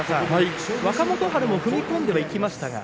若元春も踏み込んでいきましたが。